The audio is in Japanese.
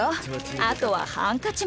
あとはハンカチも。